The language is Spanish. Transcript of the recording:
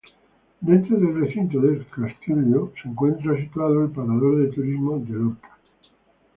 Dentro del recinto del castillo se encuentra situado el Parador de Turismo de Lorca.